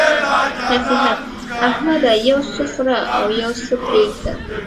نصيحت: احمده! یو څه خوره او يو څه پرېږده.